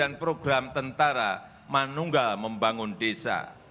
dan program tentara manunggal membangun desa